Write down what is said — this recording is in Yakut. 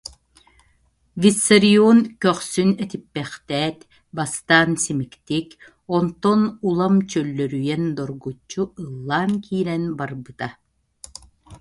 Виссарион көхсүн этиппэхтээт, бастаан симиктик, онтон улам чөллөрүйэн доргуччу ыллаан киирэн барбыта